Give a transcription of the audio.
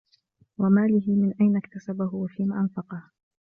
وَمَالِهِ مِنْ أَيْنَ اكْتَسَبَهُ وَفِيمَ أَنْفَقَهُ